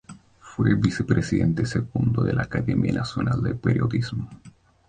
Fue vicepresidente segundo de la Academia Nacional de Periodismo.